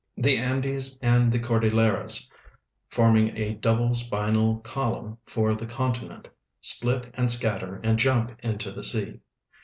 The Andes and the Cordilleras, fonning a double spinal column for the continent, split and scatter and jump into the sea.